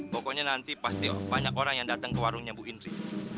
pokoknya nanti pasti banyak orang yang datang ke warungnya bu indri